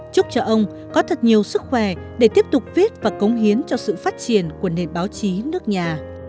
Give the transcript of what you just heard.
chúc cho ông có thật nhiều sức khỏe để tiếp tục viết và cống hiến cho sự phát triển của nền báo chí nước nhà